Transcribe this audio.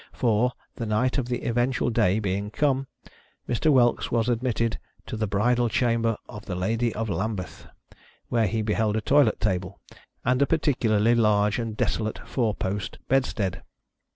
For, the night of the event ful day being come, Mr. Whelks was admitted "to the bridal chamber of the Ladye of Lambythe," where he be held a toilet table, and a particularly large and desolate four post bedstead.